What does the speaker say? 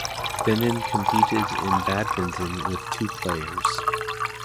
Benin competed in badminton with two players.